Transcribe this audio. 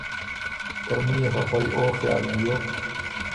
” ترمُن يې خه خوئ او خیال بيوک